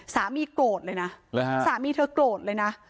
โกรธเลยนะสามีเธอโกรธเลยนะ